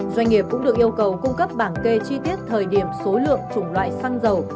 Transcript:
doanh nghiệp cũng được yêu cầu cung cấp bảng kê chi tiết thời điểm số lượng chủng loại xăng dầu